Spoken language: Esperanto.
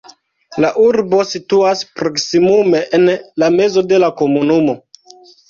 La urbo situas proksimume en la mezo de la komunumo.